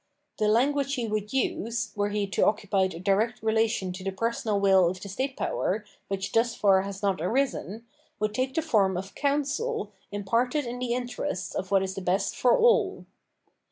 The language he would use, were he to occupy a direct relation to the personal will of the state power, which thus far has not arisen, would take the form of "counsel" imparted in the interests of what is the best for all.